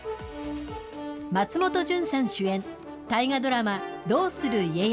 松本潤さん主演、大河ドラマどうする家康。